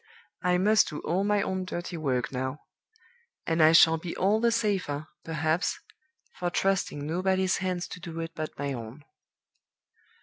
I must do all my own dirty work now; and I shall be all the safer, perhaps, for trusting nobody's hands to do it but my own."